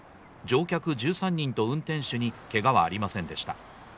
乗客１３人と運転手にけがはありませんでした。